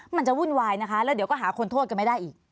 มันจะวุ่นวายนะคะแล้วเดี๋ยวก็หาคนโทษกันไม่ได้อีก